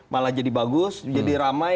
malah jadi bagus jadi ramai